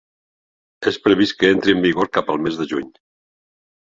És previst que entri en vigor cap al mes de juny.